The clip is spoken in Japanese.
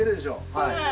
はい。